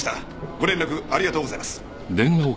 ご連絡ありがとうございます。